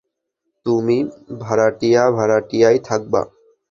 তুমি ভাড়াটিয়া, ভাড়াটিয়াই থাকবা।